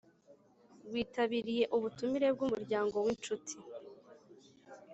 witabiye ubutumire bwumuryango winshuti.